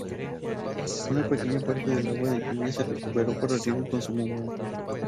Una pequeña parte del agua de lluvia se recupera para riego y consumo humano.